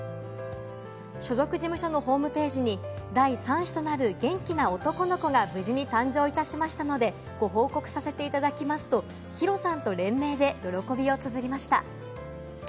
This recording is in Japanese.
所属事務所のホームページに、第３子となる元気な男の子が無事に誕生いたしましたので、ご報告させていただきますと、ＨＩＲＯさんと連名で喜びをつづりました。